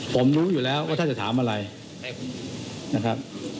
ผมรู้อยู่แล้วว่าท่านจะถามอะไรนะครับ